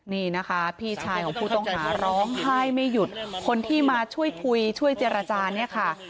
นี่นะคะพี่ชายของผู้ต้องหาร้องไห้ไม่หยุดคนที่มาช่วยคุยช่วยเจรจาเนี่ยค่ะ